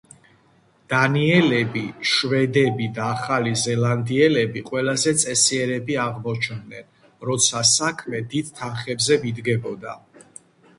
დანიელები, შვედები და ახალი ზელანდიელები ყველაზე წესიერები აღმოჩნდნენ, როცა საქმე დიდ თანხებზე მიდგებოდა.